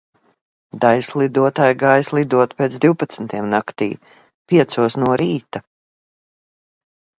Daiļslidotāji gāja slidot pēc divpadsmitiem naktī, piecos no rīta.